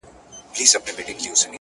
ما په سوغات کي تاته توره توپنچه راوړې _